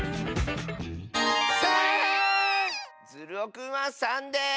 ３！ズルオくんは３です！